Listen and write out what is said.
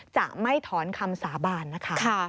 จะไม่ถอนคำสาบานนะคะ